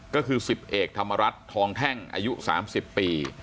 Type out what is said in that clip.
ก็คือสิบเอกธรรมรัฐทองแท่งอายุสามสิบปี